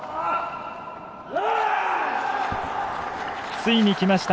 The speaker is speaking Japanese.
ついにきました！